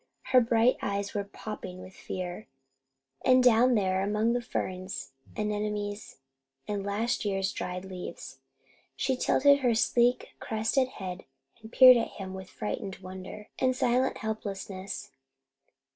Her bright eyes were popping with fear, and down there among the ferns, anemones and last year's dried leaves, she tilted her sleek crested head and peered at him with frightened wonder and silent helplessness.